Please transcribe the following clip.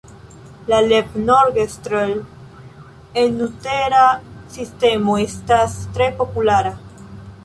La "levnorgestrel"-enutera sistemo estas tre populara.